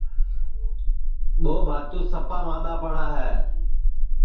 حیدرابادام مُرچیا مادَا ہے